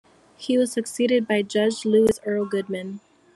He was succeeded by Judge Louis Earl Goodman.